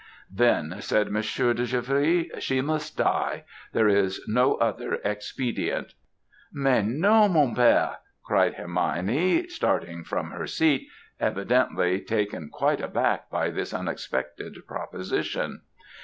"'Then,' said Monsieur de Givry, 'she must die! There is no other expedient.' "'Mais, non, mon pere!' cried Hermione, starting from her seat, evidently taken quite aback by this unexpected proposition.